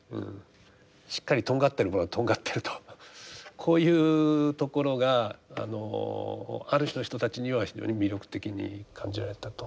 しっかりとんがってるものはとんがってるとこういうところがあのある種の人たちには非常に魅力的に感じられたと。